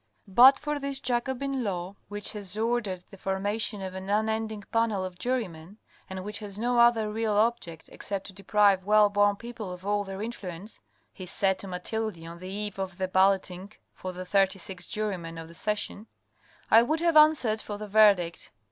" But for this Jacobin law which has ordered the formation of an unending panel of jurymen, and which has no other real object, except to deprive well born people of all their influence," he said to Mathilde on the eve of the balloting for the thirty six jurymen of the session, " I would have answered for the verdict.